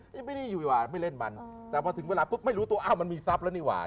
แต่พอถึงเวลาไม่รู้ตัวอ้าวมันมีทรัพย์แล้วนี่ว่า